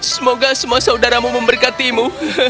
semoga semua saudaramu memberkatimu